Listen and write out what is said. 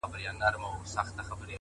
دا وايي دا توره بلا وړي څوك،